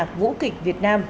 tổ chức vũ kịch việt nam